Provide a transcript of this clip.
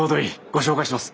ご紹介します